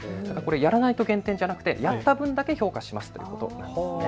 やらないと減点ではなくてやった分だけ評価しますということなんです。